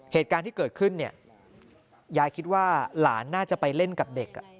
เหตุการณ์ที่เกิดขึ้นเนี่ยยายคิดว่าหลานน่าจะไปเล่นกับเด็ก